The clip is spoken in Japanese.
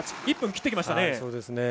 １分切ってきましたね。